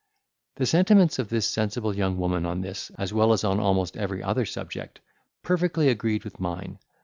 The sentiments of this sensible young woman on this, as well as on almost every other subject, perfectly agreed with mine.